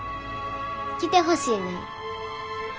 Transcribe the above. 来てほしいねん。